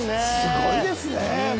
すごいですね。